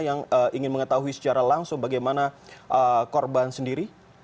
yang ingin mengetahui secara langsung bagaimana korban sendiri